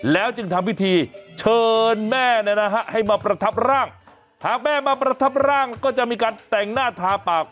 แล้วจึงทำพิธีเชิญแม่เนี่ยนะฮะให้มาประทับร่างหากแม่มาประทับร่างก็จะมีการแต่งหน้าทาปาก